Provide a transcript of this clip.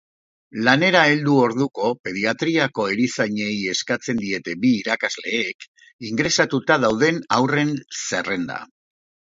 Lanera heldu orduko pediatriako erizainei eskatzen diete bi irakasleek ingresatuta dauden haurren zerrenda.